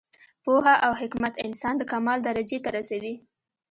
پوهه او حکمت انسان د کمال درجې ته رسوي.